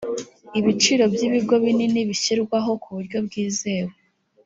ibiciro by’ibigo binini bishyirwaho ku buryo bwizewe